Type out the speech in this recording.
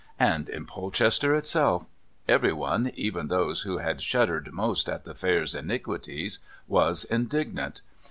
And in Polchester itself! Everyone even those who had shuddered most at the fair's iniquities was indignant.